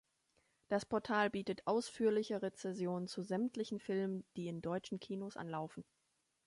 Das Portal bietet ausführliche Rezensionen zu sämtlichen Filmen, die in deutschen Kinos anlaufen.